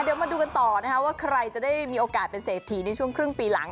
เดี๋ยวมาดูกันต่อนะคะว่าใครจะได้มีโอกาสเป็นเศรษฐีในช่วงครึ่งปีหลัง